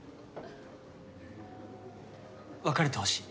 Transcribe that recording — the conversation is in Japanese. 別れてほしい。